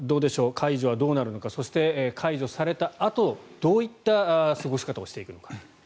解除はどうなるのかそして解除されたあとはどういった過ごし方をしていくのか。